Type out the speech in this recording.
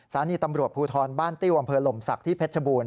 สถานีตำรวจภูทรบ้านติ้วอำเภอหลมศักดิ์ที่เพชรบูรณ